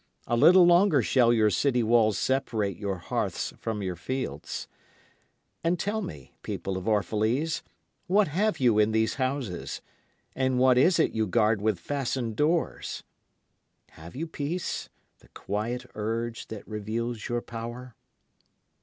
A little longer shall your city walls separate your hearths from your fields. And tell me, people of Orphalese, what have you in these houses? And what is it you guard with fastened doors? Have you peace, the quiet urge that reveals your power?